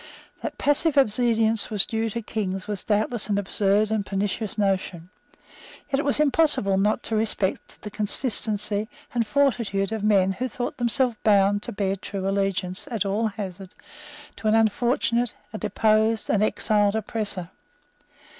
That passive obedience was due to Kings was doubtless an absurd and pernicious notion. Yet it was impossible not to respect the consistency and fortitude of men who thought themselves bound to bear true allegiance, at all hazards, to an unfortunate, a deposed, an exiled oppressor.